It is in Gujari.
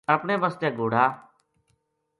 اپنے بسطے گھوڑا